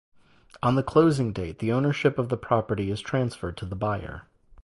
On the closing date, the ownership of the property is transferred to the buyer.